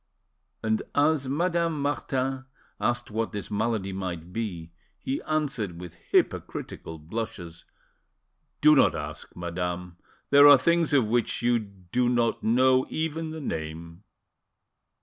And as Madame Martin asked what this malady might be, he answered with hypocritical blushes— "Do not ask, madame; there are things of which you do not know even the name."